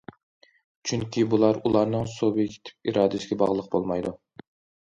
چۈنكى بۇلار ئۇلارنىڭ سۇبيېكتىپ ئىرادىسىگە باغلىق بولمايدۇ.